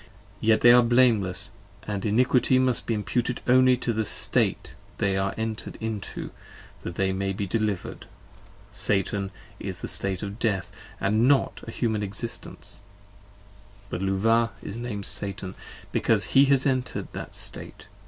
65 Yet they are blameless & Iniquity must be imputed only To the State they are enter'd into that they may be deliver 'd: Satan is the State of Death, & not a Human existence: But Luvah is named Satan, because he has enter'd that State.